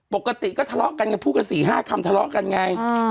ปกติก็ทะเลาะกันไงพูดกัน๔๕คำทะเลาะกันไง